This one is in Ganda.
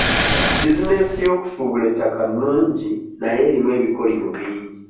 Bizinesi y'okusuubula ettaka nnungi naye erimu ebikolimo bingi.